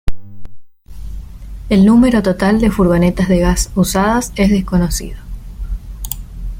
El número total de furgonetas de gas usadas es desconocido.